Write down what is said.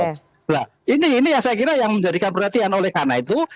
nah ini yang saya kira yang menjadikan perhatian oleh karena itu